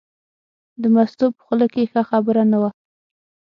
د مستو په خوله کې ښه خبره نه وه.